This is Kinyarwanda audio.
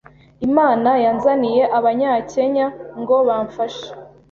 Imana yanzaniye abanyakenya ngo bamfashe